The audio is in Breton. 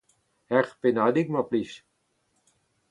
Ur pennadig, mar plij.